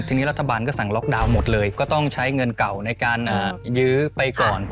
ทีนี้รัฐบาลก็สั่งล็อกดาวน์หมดเลยก็ต้องใช้เงินเก่าในการยื้อไปก่อน